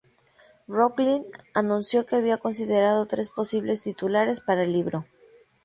Rowling anunció que había considerado tres posibles titulares para el libro.